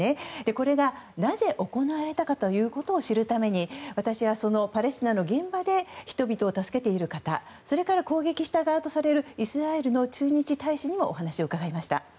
これが、なぜ行われたかということを知るために私はパレスチナの現場で人々を助けている方それから攻撃した側とされるイスラエルの駐日大使にもお話を伺いました。